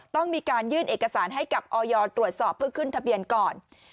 ต้องมีการยื่นเอกสารให้กับออยตรวจสอบเพื่อขึ้นทะเบียนก่อน